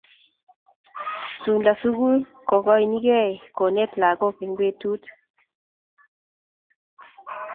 Sunda skuli kokikonkei konet lakok eng betut